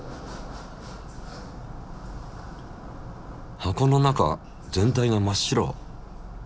箱の中全体が真っ白。